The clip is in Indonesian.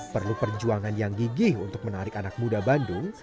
perlu perjuangan yang gigih untuk menarik anak muda bandung